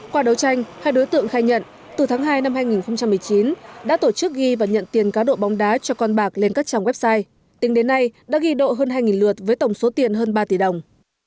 qua đấu tranh hai đối tượng khai nhận từ tháng hai năm hai nghìn một mươi chín đã tổ chức ghi và nhận tiền cá độ bóng đá cho con bạc lên các trang website tính đến nay đã ghi độ hơn hai lượt với tổng số tiền hơn ba tỷ đồng